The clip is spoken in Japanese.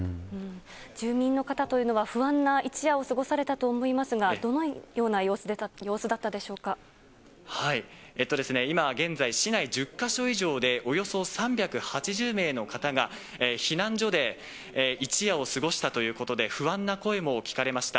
住民の方というのは、不安な一夜を過ごされたと思いますが、今、現在、市内１０か所以上で、およそ３８０名の方が避難所で一夜を過ごしたということで、不安な声も聞かれました。